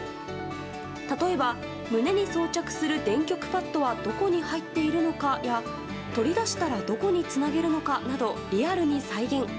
例えば胸に装着する電極パッドはどこに入っているのかや取り出したらどこにつなげるのかなどリアルに再現。